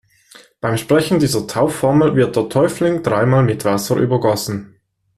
Beim Sprechen dieser Taufformel wird der Täufling dreimal mit Wasser übergossen.